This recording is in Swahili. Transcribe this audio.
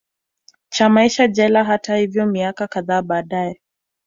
cha maisha jela Hata hivyo miaka kadhaa baadae